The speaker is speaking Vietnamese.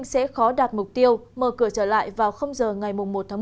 sẽ khó đạt mục tiêu mở cửa trở lại vào giờ ngày một một mươi